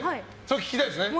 聞きたいですね。